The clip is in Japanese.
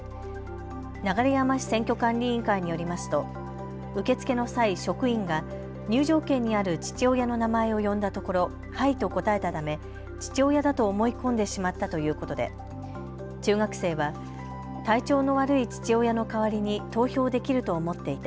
流山市選挙管理委員会によりますと受け付けの際、職員が入場券にある父親の名前を呼んだところ、はいと答えたため父親だと思い込んでしまったということで中学生は体調の悪い父親の代わりに投票できると思っていた。